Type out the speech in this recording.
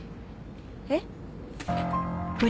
えっ？